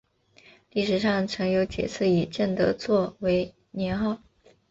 历史上曾有几次以正德作为年号。